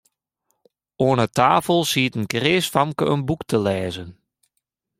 Oan 'e tafel siet in kreas famke in boek te lêzen.